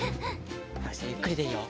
よしゆっくりでいいよ。